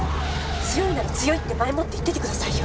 強いなら強いって前もって言っといてくださいよ。